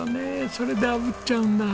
それで炙っちゃうんだ。